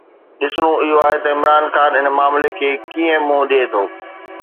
ڏسڻو اهو آهي ته عمران خان ان معاملي کي ڪيئن منهن ڏئي ٿو.